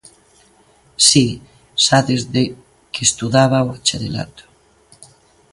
Si, xa desde que estudaba o bacharelato.